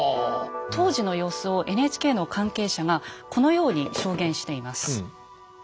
当時の様子をＮＨＫの関係者がこのように証言しています。